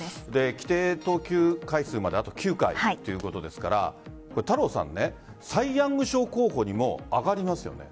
規定投球回数まであと９回ということですからサイ・ヤング賞候補にも上がりますよね。